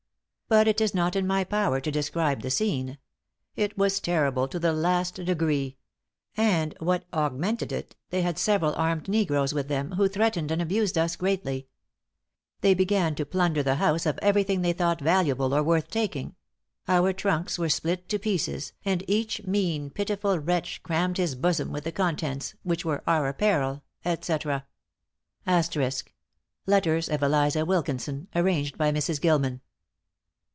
But it is not in my power to describe the scene: it was terrible to the last degree; and what augmented it, they had several armed negroes with them, who threatened and abused us greatly. They then began to plunder the house of every thing they thought valuable or worth taking; our trunks were split to pieces, and each mean, pitiful wretch crammed his bosom with the contents, which were our apparel, &c. Letters of Eliza Wilkinson, arranged by Mrs. Gilman.